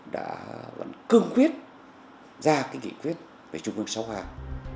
đã cương quyết ra cái nghị quyết về trung ương sáu hàng